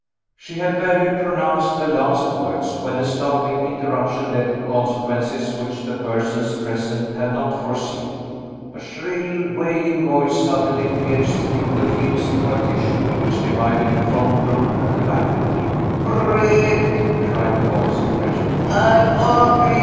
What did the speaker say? She had barely pronounced the last words, when a startling interruption led to consequences which the persons present had not foreseen. A shrill, wailing voice suddenly pierced through the flimsy partition which divided the front room and the back room. "Bread!" cried the voice in French; "I'm hungry.